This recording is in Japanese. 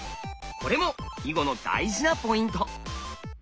これも囲碁の大事なポイント。